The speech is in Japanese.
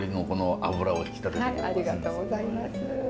ありがとうございます。